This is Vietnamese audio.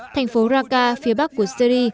thành phố raqqa phía bắc của syri